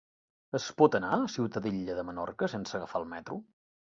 Es pot anar a Ciutadella de Menorca sense agafar el metro?